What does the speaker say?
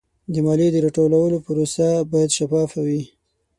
د مالیې د راټولولو پروسه باید شفافه وي.